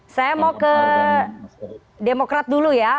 saya mau ke demokrat dulu ya